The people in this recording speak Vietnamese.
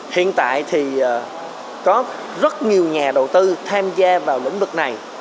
hiện tại thì có rất nhiều nhà đầu tư tham gia vào lĩnh vực này